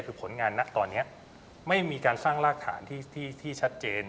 คือผลงานนะตอนนี้ไม่มีการสร้างรากฐานที่ชัดเจน